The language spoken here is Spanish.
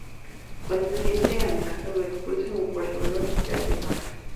Cuando se siente amenazado, expulsa un fuerte olor y se hace el muerto.